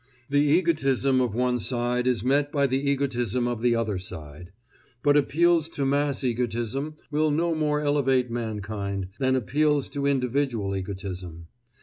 The egotism of one side is met by the egotism of the other side. But appeals to mass egotism will no more elevate mankind, than appeals to individual egotism.